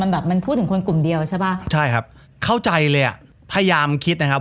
แบบมันพูดถึงคนกลุ่มเดียวใช่ป่ะใช่ครับเข้าใจเลยอ่ะพยายามคิดนะครับ